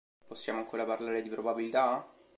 Possiamo ancora parlare di probabilità?